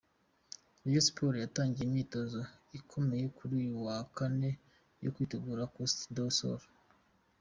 Rayon Sports yatangiye imyitozo ikomeye kuri uyu wa Kane yo kwitegura Costa Do Sol.